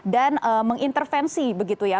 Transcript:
dan mengintervensi begitu ya